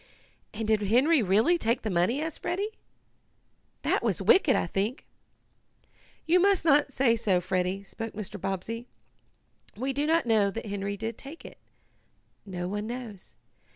"And did Henry really take the money?" asked Freddie. "That was wicked, I think." "You must not say so, Freddie," spoke Mr. Bobbsey. "We do not know that Henry did take it. No one knows.